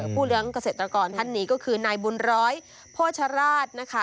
เลี้ยงเกษตรกรท่านนี้ก็คือนายบุญร้อยโภชราชนะคะ